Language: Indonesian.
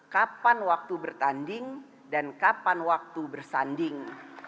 kapan waktu bertanding dan kapan waktu bersanding